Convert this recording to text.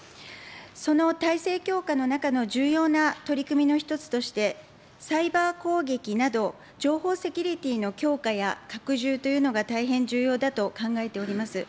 その体制強化の中の重要な取り組みの一つとして、サイバー攻撃など、情報セキュリティの強化や拡充というのが大変重要だと考えております。